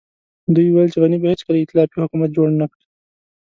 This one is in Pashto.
دوی ويل چې غني به هېڅکله ائتلافي حکومت جوړ نه کړي.